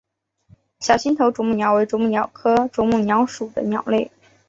小星头啄木鸟为啄木鸟科啄木鸟属的鸟类。